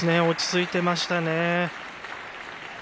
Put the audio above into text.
落ち着いてましたね。